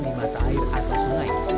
di mata air atau sungai